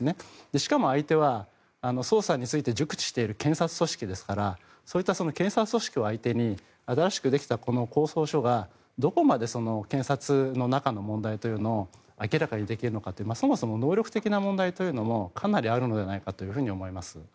しかも相手は捜査について熟知している検察組織ですからそういった検察組織を相手に新しくできた公捜処がどこまで検察の中の問題というのを明らかにできるのかというそもそも能力的な問題もかなりあるのではないかと思います。